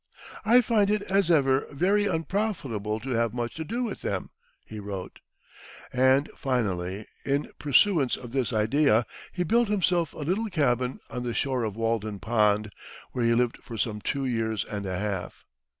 "I find it as ever very unprofitable to have much to do with men," he wrote; and finally, in pursuance of this idea, he built himself a little cabin on the shore of Walden pond, where he lived for some two years and a half.